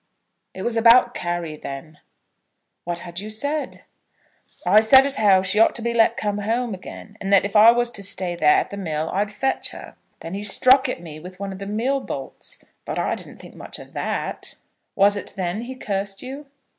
"It was about Carry, then." "What had you said?" "I said as how she ought to be let come home again, and that if I was to stay there at the mill, I'd fetch her. Then he struck at me with one of the mill bolts. But I didn't think much o' that." "Was it then he cursed you?"